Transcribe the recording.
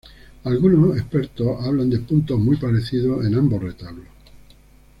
Algunos expertos hablan de puntos muy parecidos en ambos retablos.